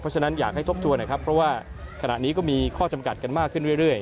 เพราะฉะนั้นอยากให้ทบทวนหน่อยครับเพราะว่าขณะนี้ก็มีข้อจำกัดกันมากขึ้นเรื่อย